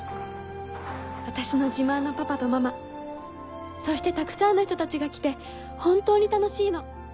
あたしの自慢のパパとママそしてたくさんの人たちが来て本当に楽しいの。